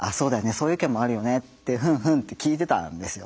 そういう意見もあるよねってふんふんって聞いてたんですよ。